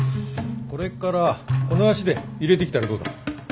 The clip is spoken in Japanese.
これからこの足で入れてきたらどうだ？